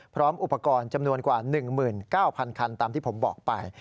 พร้อมอุปกรณ์จำนวนกว่า๑๙๐๐คันตามที่ผมบอกไป